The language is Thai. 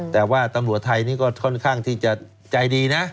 แต่ว่าตำรวจไทยนี่ก็ค่อนข้างที่จะใจดีนะ